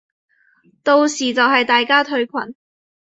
到時就係大家退群